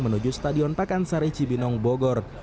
menuju stadion pakansari cibinong bogor